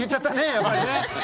やっぱりね。